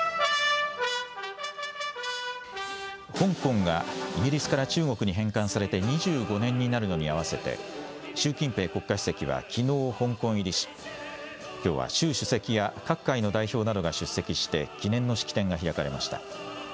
香港がイギリスから中国に返還されて２５年になるのに合わせて、習近平国家主席はきのう香港入りし、きょうは習主席や各界の代表などが出席して、記念の式典が開かれました。